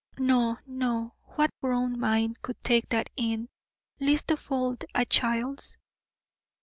No, no, what grown mind could take that in, least of all a child's?